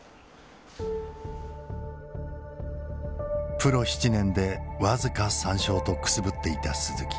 プロ７年で僅か３勝とくすぶっていた鈴木。